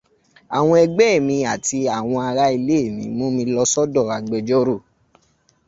Àwọn ẹgbẹ́ mi àti àwọn ará ilé mi mú mi lọ sọ́dọ̀ agbẹjọ́rò